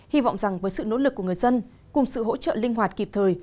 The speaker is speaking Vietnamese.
hy vọng rằng với sự nỗ lực của người dân cùng sự hỗ trợ linh hoạt kịp thời